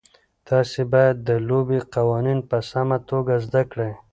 تاسي باید د لوبې قوانین په سمه توګه زده کړئ.